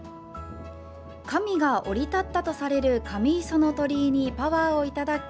神が降り立ったとされる神磯の鳥居にパワーをいただき